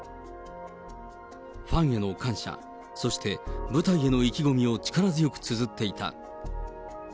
ファンへの感謝、そして舞台への意気込みを力強くつづっていた。